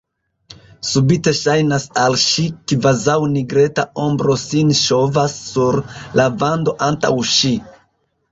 Subite ŝajnas al ŝi, kvazaŭ nigreta ombro sin ŝovas sur la vando antaŭ ŝi.